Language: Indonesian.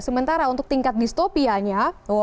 sementara untuk tingkat distopianya